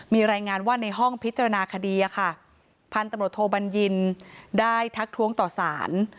มีรายงานว่าในห้องพิจารณาคดีพันธุ์ตำรวจโทบัญญินได้ทักท้วงต่อสาร